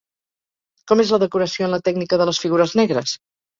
Com és la decoració en la tècnica de les «figures negres»?